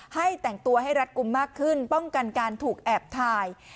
ให้แต่งตัวให้รัดกลุ่มมากขึ้นป้องกันการถูกแอบถ่าย